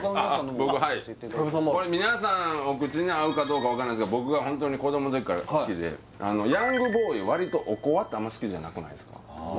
僕はいこれ皆さんお口に合うかどうか分からないけど僕がホントに子供の時から好きでヤングボーイわりとおこわってあんまり好きじゃなくないすか？